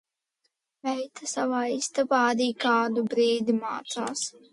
Meita savā istabā arī kādu brīdi mācās.